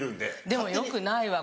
でもよくないわ